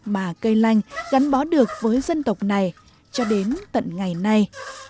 mà cây lanh gắn bó được với dân tộc này cho đến tận ngày nay